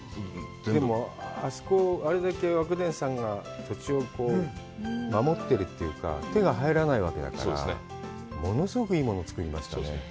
あそこ、あれだけ和久傳さんが土地を守ってるというか、手が入らないわけだから、物すごくいいものを造りましたね。